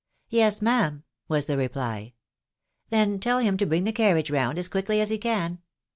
" Yes, ma'am," was the reply. " Then tell him to bring die carriage round as quickly as he can.